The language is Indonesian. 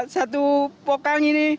satu pokang ini